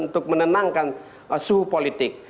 untuk menenangkan suhu politik